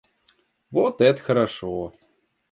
Вот это хорошо!